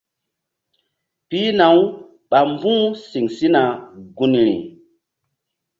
Pihna- uɓa mbu̧h siŋ sina gunri.